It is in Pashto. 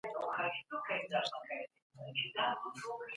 موږ رياضي او فزيک خوښوو.